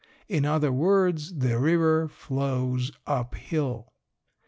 In other words, the river flows up hill.